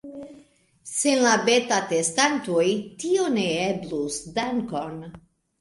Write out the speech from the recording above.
Sen la beta-testantoj tio ne eblus dankon!